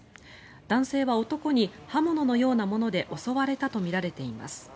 男性は男に刃物のようなもので襲われたとみられています。